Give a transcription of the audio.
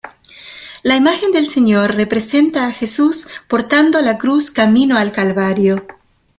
La imagen del Señor representa a Jesús portando la cruz camino al Calvario.